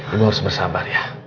ibu harus bersabar ya